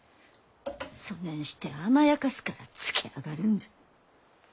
そねんして甘やかすからつけあがるんじゃ。